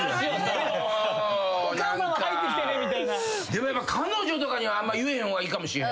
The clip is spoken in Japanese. でもやっぱ彼女とかには言えへん方がいいかもしれへんで。